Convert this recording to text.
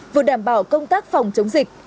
vừa đảm bảo công tác phòng chống dịch